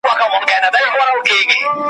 ګدایان ورته راتلل له هره ځایه `